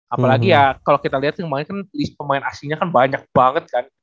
apalagi ya kalau kita lihat teman teman kan pemain asingnya kan banyak banget kan